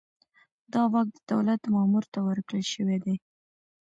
دا واک د دولت مامور ته ورکړل شوی دی.